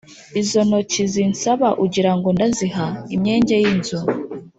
Izo ntoki zinsaba ugirango ndaziha ?Imyenge y'inzu.